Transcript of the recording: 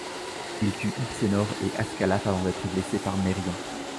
Il tue Hypsénor et Ascalaphe avant d'être blessé par Mérion.